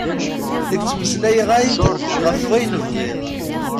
Nekk ttmeslayeɣ-ak-d ɣef wayen bɣiɣ.